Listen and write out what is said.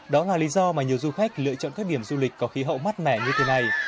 đó là lý do mà nhiều du khách lựa chọn các điểm du lịch có khí hậu mát mẻ như thế này